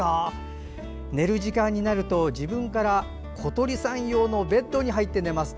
寝る時間になると自分から小鳥さん用のベッドに入って寝ます。